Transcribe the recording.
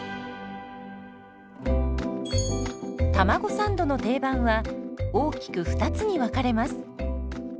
たまごサンドの定番は大きく２つに分かれます。